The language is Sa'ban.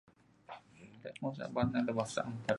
Leh hmeu Saban an deh masa ep